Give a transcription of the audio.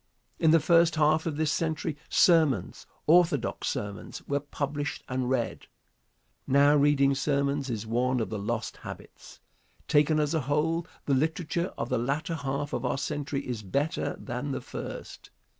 In the first half of this century, sermons, orthodox sermons, were published and read. Now reading sermons is one of the lost habits. Taken as a whole, the literature of the latter half of our century is better than the first.